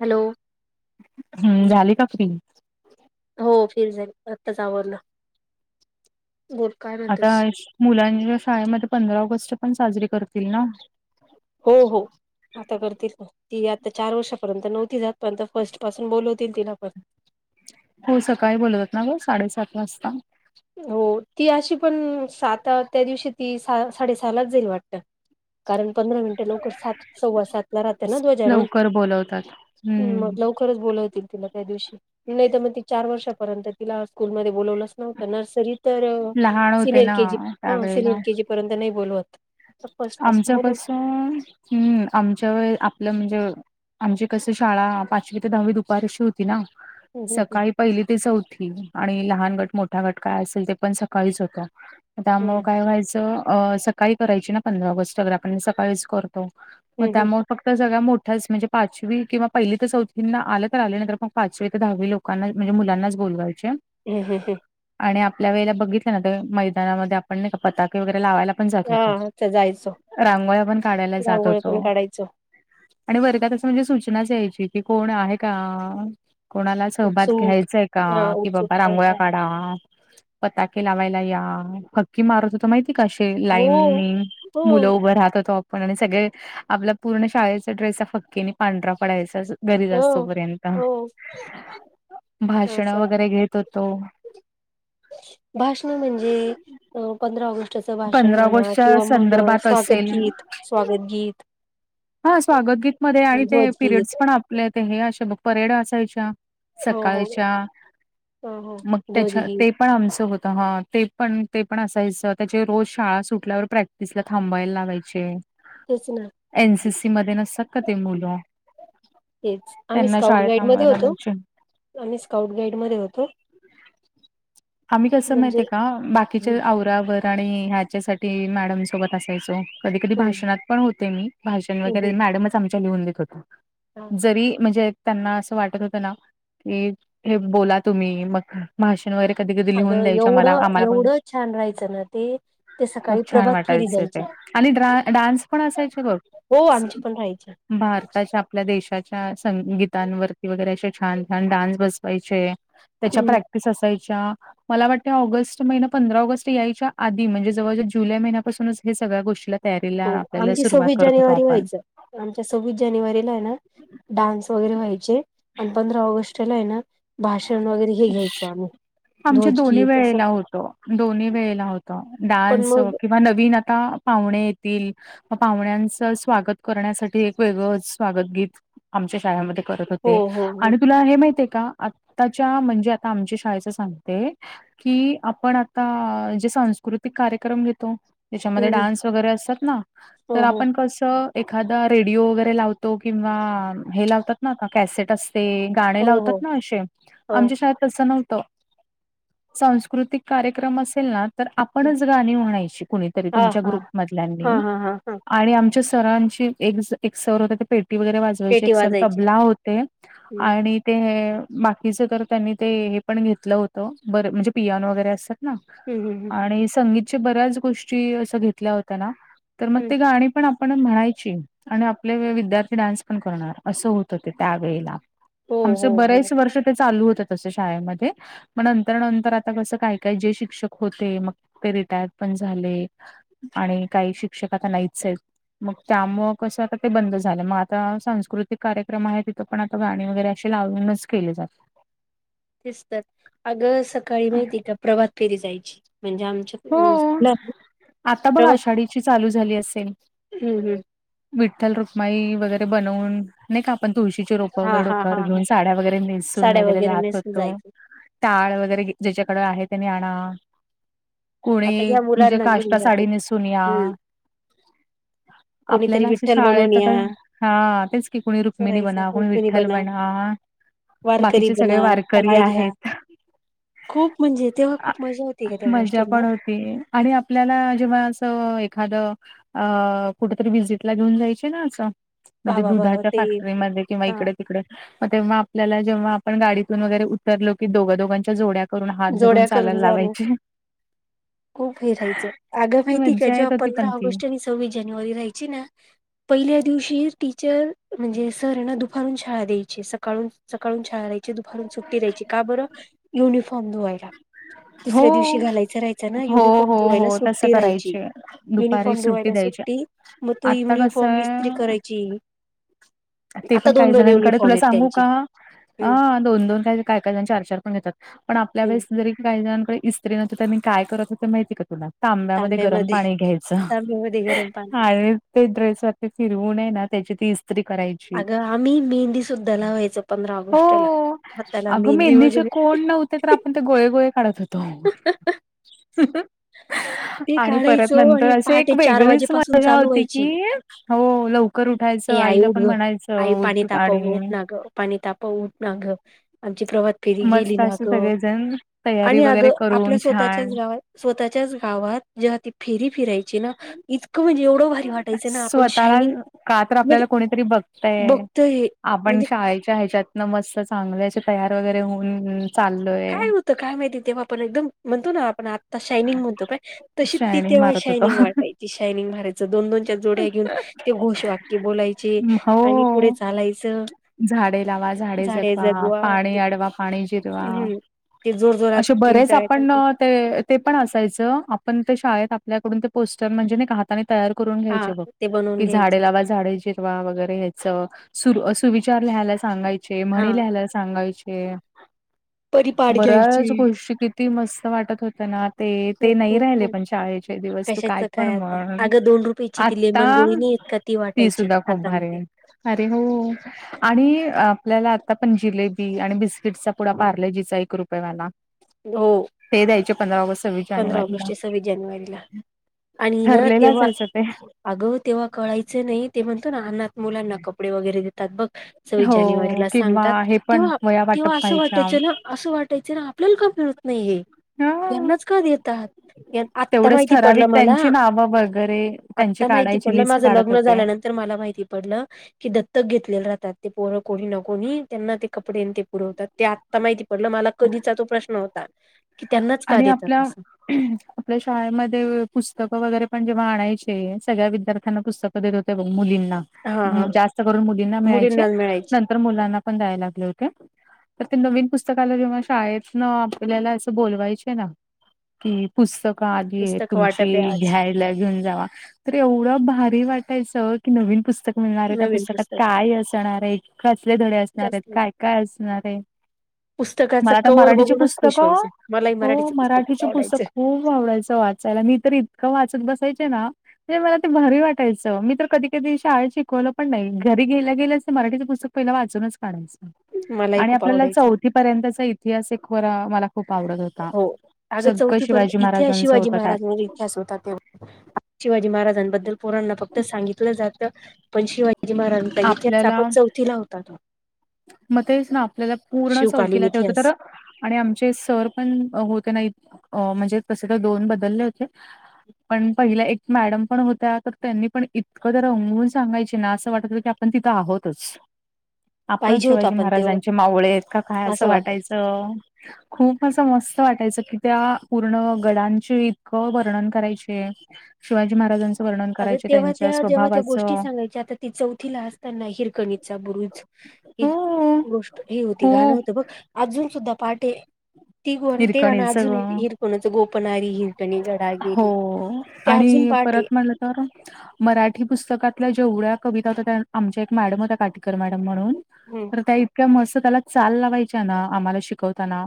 Hello,, हम्म,, झाली का फ्री. हो,, फ्री झाली,, आताच आवरलं,, बोल. काय आता,, म्हणतेस मुलांच्या शाळेमध्ये पंधरा ऑगस्ट पण साजरीे करतील ना. हो हो.. आता करतील ना,, ती आता चार वर्षापर्यंत नव्हती जात, पर्ंत फर्स्ट पासून बोलवतील तिला पण. हो,, सकाळी बोलवतात ना ग,, साडेसात वाजता. हो,, ती अशी पण,, सात, त्या दिवशी ती साडेसहालाच जाईल वाटत. कारण पंधरा मिनटे लवकर, सात सव्वा सात ला राहत ना ध्वजाजारोहन. लवकर बोलवतात. हम्म,, खरच बोलवतील तिला त्या दिवशी,, नाही तर मग ती चार वर्षापर्यंत तिला स्कूलमध्ये बोलवलंच नव्हतं. नर्सरी तर,, लहान होते सिनियर ना केजी,, अं, त्यावेेळेला सिनियर केजी पर्यंत नाही बोलवत. फर्स्ट पासून आमचं बोलवते कसंऽ हम्म,, आमच्यावेळी,, आपलं म्हणजे,, आमची कस शाळा, पाचवी ते दहावी दुपार अशी होती. ती ना,, हम्म हम्म सकाळीऽ पहिली ते चौथी,, आणि लहान गट, मोठा गट, काय असेल ते पण सकाळीच होत्या. त्यामुळ हम्म काय व्हायचं,, अ सकाळी करायची ना पंधरा ऑगस्ट,, आपण सकाळीच करतो. म हम्म हम्म त्यामुळ ऽ फक्त सगळ्या मोठ्याच, म्हणजे पाचवी किंवा पहिली ते चौथींना, आलं तर आले, नंतर मग पाचवी तर दहावी लोकज्ञऽ लोकांना, म्हणजे मुलांनाच बोलवायचे. हम, हम हं.. आणि आपल्या वेळेला बघितलं ना,, ते मैदानामध्ये आपण नाही का, पताके वगैरे लावायला पणऽ हम्म हा त्या जायचो रांगोळ्या पण काढायला जात रांगोळी होतो. पण काढायचो आणि वर्गात असं म्हणजे सूचनाच यायची की कोण आहे का. कोणाला सहभग उत्सुक घ्यायचंय का हा की उत्सुक बाबा आहे रांगोळ्या का काढ पताके लावायला या,,, फकी मारत होतो माहितीय का अशे,, हो लाईनऽ हमम, हो मुलं उभं राहतऽ पण आणि सगळे, आपला पूर्ण शाळेचा ड्रेस फक्ककीने पांढरा पडायचा. घरी जा असतो हो पर्यंत. हो भाषण असं वगैरे घेत होतो. भाषण म्हणजे अ पंधरा ऑगस्टच भाषण पंधरा म्हण ऑगस्टच्या किंवा मग संदर्भात स्वागत असेल गीत स्वागत गीत. हा स्वागत गीत म आणि ते पिरियड्स ध्वजगीत पण आपले ते हे असे परेड असायच्या. हो हो सकाळच्या हो हो मग त्याच्या ध्वजगीत ते पण आमचं होत हा ते पण ते पण असायचं त्याचे रोज शाळा सुट कुठल्यावर प्रॅक्टिस ला थांबायला लावायचे. तेच ना एनसीसी मध्ये नसत का ते मुलं. तेच आम्ही त्यांना स्काउट शाळेत गाईड मध्ये थांबवायला होतो पाहिजे. आम्ही स्काउट गाईड मध्ये होतो. आम्ही कसं माहित म्हणजे आहे का बाकीच्या हम्म आव रा आणि ह्याच्यासाठी मॅडम सोबत असायचो. कधी कधी हम्म भाषात पण होते मी भाषण हम्म वगैरे हम्म मॅडमच आमच्या लिहून देत होते. हा जरी म्हणजे. त्यांना असं वाटत होतं ना की हे बोला तुम्ही मग. भाषण वगैरेधीधी अगं लिहून दयं आ मला एवढं आम्हालाण. एवढं छान राहायचं ना ते. ते खूप सकाळी छान प्रभात फेरी वाटायच जायची ते आणि ड डान्स पण असायचे ग. हो आमची पण राहायची भारताच्या आपल्या देशाच्या संगीतांवरती वगैरे असे छान छान डान्स बसवायचे. त्याच्या हम्म प्रॅक्टिस. मला वा म पं ऑग याच्या आध म्हणजे जव जुलै महिन्यापासूनच हे सगळ्या गोष्टीला तयारीला, हो आपल्याला आमची सुरुवात सव्वीस करत होतो जानेवारी आपण. व्हायचं आमच्या सव्वीस जानेवारीला आहे ना डान्स वगैरे व्हायचे, आणि पंधरा ऑगस्टला आहे ना भाषण वगैरे हे घ्यायचो आम्ही. आमच्या दोन्ही ध्वजगीत असं वेळेला होतं, दोन्ही वेळेला होतं, पण डान्स मग कि नवीन आता पाहुणे येतील. म पाहुण्यांचं स्वागत करण्यासाठी एक वेगळं स्वागतगीत, आमच्या शाळेमध्ये करत हो होते, हो हो आणि तुला हे माहितंय का, आताच्या म्हणजे आता आमच्या शाळेचं सांगते कि आपण आता, जे सांस्कृतिक कार्यक्रम घेतो त्याच्यामध्ये हम्म डान्स वगैरे असतात ना, तर हो हो आपण कसं एखादा रेडिओ वगैरे लावतो किंवा हे लावतात ना का कॅसेट असते. गाणे हो हो लावतात ना अशे, हो आमच्या त्या तसं नव्हतं, सांस्कृतिक कार्यक्रम असेल ना तर आपणच गाणी म्हणायची कुणीतरी हा तुमच्या हा हा ग्रुपमधल्यांनी, हा हा हा आणि आमच्या सरांची एक एक सर होते ते पेटी वगैरे वाजवायचे, पेटी एक सर वाजायची तबला होते हम्म आणि ते बाकीचं तर त्यांनी ते हे पण घेतलं होतं, बर म्हणजे पियानो वगैरे असतात ना. हम्म हम्म हम्म आणि संगीतच्या बऱ्याच गोष्टी असं घेतल्या होत्या ना, तर मग हम्म ते गाणी पण आ पण म्हणायची आणि आपले वेळी विद्यार्थी डान्स पण करणार, असं होतं ते त्यावेेळेला. हो हो आमचं हो बरेच वर्ष ते चालू होतं तसं शाळेमध्ये. मग नंतर नंतर आता कसं काय काय जे शिक्षक होते, मग ते रिटायर्ड पण झाले. आणि काही शिक्षक आता नाहीच आहेत. मग त्यामुळं कसं आता ते बंद झालं, मग आता सांस्कृतिक कार्यक्रम आहे तिथं पण आता गाणी वगैरे असे लावूनच केले जातात. तेच तर, अगं‌ सकाळी माहिती का प्रभात फेरी जायची, म्हणजे आमच्या हो, अं, नाही. आता बघ प्रभात आषाढीची चालू झाली असेल. हम्म हम्म विठ्ठल रुक्माई वगैरे बनवून नाही का आपण तुळशीची रोपं हा वगैरे हा हा डोक्यावर घेऊन, हा साड्या वगैरे नेसून साड्या वगैरे जात नेसून होतो. जायचं टाळ वगैरे ज्याच्याकडे आहे त्यानी आणा. आता कोणी या म्हणजे मुलांना घेऊन काष्टा जाते साडी नेसून या. हम्म कोणीतरी आपल्याला असं विठ्ठल बनवून शाळेत आता, या हा तेच की कोणी रुक्मिणी करायचं बना कोणी कोकणी विठ्ठल बना. वारकरी बाकीचे सगळे बना वारकरी टाळ घ्या आहेत. खूप म्हणजे तेव्हा खूप मजा हो मज्जा पण होती, आणि आपल्याला जेव्हा असं एखादं अ कुठेतरी विजिट ला घेऊन जायचे ना असं म्हणजे बाबा बाबा दुधाच्या ते फॅक्टरीमध्ये किंवा हा इकडे तिकडे, मग तेव्हा आपल्याला जेव्हा आपण गाडीतून वैगरे उतरलो की दोघ दोघांच्या जोड्या करून हात धरून जोड्या करून चालायला जाणं लावायचे. खूप हे राहायचं, अगं माहिती का मज्जा जेव्हा येत होती पंधरा पण ती. ऑगस्ट आणि सव्वीस जानेवारी राहायची ना पहिल्या दिवशी टीचर, म्हणजे सर ना दुपारून शाळा द्यायची सकाळून सकाळून शाळा राहा ची दुपारून सुट्टी द्यायची, का बरं? युनिफॉर्म धुवायला. दुसऱ्या दिवशी हो. घालायचं राहायचा ना हो युनिफॉर्म हो धुवायला हो तसं सुट्टी राहायची, करायचे दुपारी युनिफॉर्म धुवायला द्यायची सुट्टी मग तो आता कसं युनिफॉर्म ईस्त्री आहे करायची. ते पण आता काही दोन दोन जणांकडे, युनिफॉर्म तुला आहेत सांगू त्यांचे का? हम्म ह दोन- दोन का काय काय जण चार -चार पण घेतात, पण आपल्या हम्म वळेस जरी काही जणांकडे इस्त्री नव्हती तर मी काय करत होतें माहिती का तुला? तांब्यामध्ये गरम पाणी घ्यायचं, तांब्यामध्ये गरम पाणी हा ते ड्रेस वरती फिरवून आहे ना त्याची ती इस्त्री कराय ची, अगं आम्ही मेहंदी सुद्धा लावायचो पंधरा हो, ऑगस्टला हाताला अगं मेहंदी मेहंदीचे वगैरे कोन नव् ते तर आपण ते गोळे गोळे काढत होतो. ते आणि परत काढायचो नंतर आणि अशी एक पहाटे चार वेगळीच वाजेपासून मजा चालू होती की? व्हायची हो. लवकर ए उठायचं आई आईला उठ पण ग आई म्हणायचं पाणी उठ तापव उठ आणि ना ग पाणी ताप उठ ना ग आमची प्रव फेरी गेली मस्त ना असे अग सगळेजण तयारी आणि वगैरे अगं करून आपल्या छान स्वतःच्याच गावात स्वतःच्याच गावात जेव्हा ती फेरी फिरायची ना. इतकं म्हणजे एवढं भारी वाटयचं ना आपण स्वतःला शायनिंग का तर म्हणजे आपल्याला कोणीतरी बघतय.. बघतोय हे आपण म्हणजे शाळेच्या ह्याच्यात. न मस्त चांगलं याचे तयार वगैरे होऊन.. चाललोय. काय होतं काय माहिती तेव्हा आपण एकदम म्हणतो ना आपण आत्ता शायनिंग म्हणतोय. तशीच ती शायनिंग तेव्हा मारत होतो शयनिंग वाटायची शयनिंग मरत. दोन दोनच्या जोड्या घेऊन ते घोष वाक्य बोलायचे आणि पुढे हो चालायचं. झाडे लावा झाडे जगवा पाणी अडवा पाणी जी गवा हम्म ते जोर जोरात असे बरेच किंचाळ्या आपण करते ते. ते पण असायचं आपण ते शाळेत आपल्याकडून ते पोस्टर म्हणजे. नाही का? तयार करून हा घ्यायचे बघ ते बनवून कि झाडे घ्यायचे लावा झाडे जिरवा वगैरे ह्याच सुरू असतात. सुविचार लिहायला सांगायचे, हा म्हणे लिहायला सांगायचे. परिपाठ बऱ्याचच घ्यायची गोष्टी किती मस्त वाटत होत ना आ. ते.. ते खूप नाही खूप राहिले खूप पण शाळेचे दिवस तू कशाच काय पण आता म्हण अगं दोन रुपयाची ती आता लेमन गोळी नाही येत का ती वाटायची सुद्धा खूप भारी हातामध्ये आहे, अरे! हो. आणि आपल्याला आता पण जिलेबी आणि बिस्किटचा पुढा पार्लेजीचा एक रुपयेवाला हो. ते द्यायचे पंधरा ऑगस्ट, सव्वीस पंधरा जानेवारीला. ऑगस्ट सव्वीस जानेवारीला आणि ना ठरलेलं तेव्हा असायचं ते. अगं तेव्हा कळायचं नाही ते म्हणतो ना अननात मुलांना कपडे वगैरे देतात बघ. सव्वीस हो जानेवारीला किंवा सांगतात हे पण तेव्हा वह्या वाटप तेव्हा असं व्हायच्या. वाटायचं ना असं वाटायचं ना आपल्याला का मिळ. नाही हे. हा. यांनाच का देतात. या आत्ता तेवढेच माहिती पडलं ठराविक मला, त्यांची नावं वगैरे त्यांची आता माहिती काढायची पडलं लिस्ट माझ काढत लग्न होते. झाल्यानंतर नंतर मला माहिती पडलं. कि दत्तक घेतलेले राहतात ते परं कोणी ना कोणी त्यांना ते कपडे ते पुरवतात त्या आता माहिती पडलं मला कधीचा तो प्रश्न होता. की त्यांनाच का आणि देतात आपल्या असं आपल्या शाळेमध्ये पुस्तकं वगैरे पण जेव्हा आणायचे सगळ्या विद्यार्थ्यांना पुस्तक देत होते बघ मुलींना, हा हा जास्त करून मुलींना मिळायचे मुलींनाच मिळायची नंतर मुलांना पण ण दय लाग हो न पुतका जेव्हा शळेत आपल्या बवाय क पुस्तक आलीय पुस्तकं तुमची? वाटप आहे आज घेऊन जा तर एवढ भारी वाटायच की नन पुतक मिळणार आहे त्या नवीन पुस्तकात पुस्तक काय असणार आहे. कसले धडे असणार आहेत कसलं काय काय असणार आहे. पुस्तकाच मला आता कवर मराठीचे बघूनच खुश पुस्तक व्हायचं मलाही हो मराठीचं पुस्तक खूप मराठीचे पुस्तक आवडायचं खूप आवडायचं वाचायला मी तर इतकं वाचत बसायचे ना. म्हणजे मला ते भारी वाटायचं मी तर कधी कधी शाळेत शिकवलं पण नाही घरी गेयल्या गेलं अस मराठीचं पुस्तक पहिला वाचूनच काढायचं. मलाही आणि खूप आपल्याला आवडायचं चौथी पर्यंतचा इतिहास एक वरा मला खूप आवडत होता. हो अगं सगळं चौथी पर् शिवाजी इथे महाराजांचं शिवाजी होतं महाराज त्यात. म्ह शिवाजी महाराजांबद्दल पोरांना फक्त सांगितलं जात पण शिवा ज महारता इथिहास आपल्याला आपण चौथीला होत तो. मग तेच ना आपल्याला पूर्ण शिवकालीन चौथीला तेवतं तर इतिहास आणि आमचे सर पण होते नाही म्हणजे तसे तर दोन बदलले होते. पण पहिला एक मॅडम पण होत्या तर त्यांनी पण इतकं तर रंगून सांगायचे ना असं वाटत की पण तिथं आहोतच. आपण पाहिजे होता शिवाजी पण महाराजांचे तेव्हा मावळे आहेत का काय असं वाटायचं खूप असं मस्त वाटायचं की त्या पूर्ण गडांचे इतकं वर्णन करायचे शिवाजीहाराजां अगं तेव्हा त्या जेव्हा त्या गोष्टी सांगायच्या आता ती चौथीला असताना हिरकणीचा बुरुज ह हो. गोष्ट ही होती घाणं खूप होत बघ अजून सुद्धा पहाटे ती गण ते गण हिरकणीचं अजून ग हिरकोणच गोपनी हिरकणी गडा हो गेरी आणि परत मला तर मराठी पुस्तकातल्या जेवढ्या कविता होत्या त्या आमच्या एक मॅडम हो त्या्या काठी मॅडम म्हणून हम्म तर त्या इतक्या मस्त त्याला चाल लावायच्या ना आम्हाला शिकवताना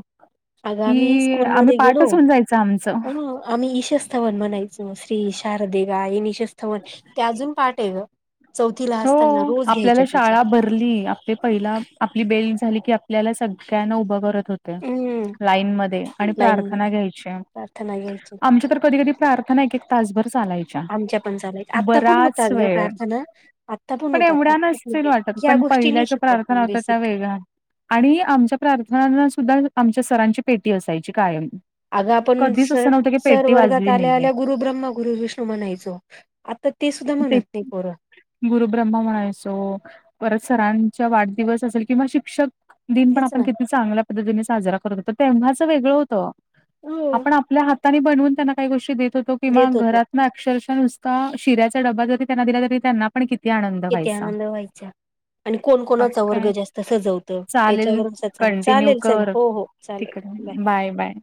आगा म्ही की आम्ही स्कूलमध्ये गेलो पाठच होऊन जायचं आमचं. आम्ही ईशस्थवन म्हणायचो श्री शारदे गा येन शस्थवन त्या अजून पाठ आहे ग चौथीला असताना रोज घ्यायच्या टीचर आप पहि आपली बेल झाली की आपल्याला सगळ्यांना उभ करत होत हम्म लाईन म आणि लाईन मध्ये प्रार्थना घ्यायची प्रार्थना घ्यायची आमच्या तर कधी कधी प्रार्थना एक एक तासभर चालायची आमच्या पण चालाय आत्ता पण होतात ज वेळ प्रार्थना आत्ता पण होतात एवढ्या आत्ता पण नसतील ते वाटत या पण गोष्टी पहिल्या नाही ज्या शिकवत प्रार्थना पण होत्या त्या बेसिक वेगळ्या आणि आमच्या प्रार्थनाना सुद्धा आमच्या सरांची पेटी असायची कायम अग आपण कधीच सर असं नव्हतं की सर पेटी वर्गात वाजली आल्या नाहीये आल्या गुरु ब्रम्म गुरु विष्णू म्हणायचो आता ते सुद्धा म्हणत नाही पोर गुरु ब्रह्मा म्हणायचो परत सरांचा वाढदिवस असेल किंवा शिक्षक दिन पण तेच आपण ना किती चांगल्या पद्धतीने साजरा करत होतो तेव्हाचं वेगळं होतं हो आपण आपल्या हाताने बनवून त्यांना काही गोष्टी देत होतो किंवा देत होत घरात मग अक्षरशः नुसता शिऱ्याचा डबा जरी त्यांना दिला तरी त्यांना पण किती आनंद किती व्हायचा आनंद व्हायचा आणि कोण मग कोणाचा वर्ग काय जास्त सजवतं चालेल याच्यावरून अस चाल चालेल चालेल हो हो ठीकडे बाय बाय